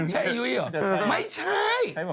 ใช่อยู่หรอไม่ใช่